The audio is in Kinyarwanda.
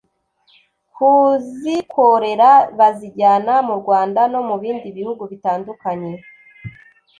kuzikorera bazijyana mu Rwanda no mu bindi bihugu bitandukanye